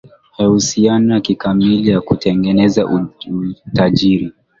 Haihusiani kikamili na kutengeneza utajiri